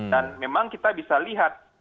dan memang kita bisa lihat